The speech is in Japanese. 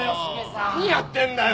何やってんだよ